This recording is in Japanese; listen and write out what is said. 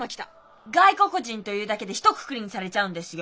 外国人というだけでひとくくりにされちゃうんですよ。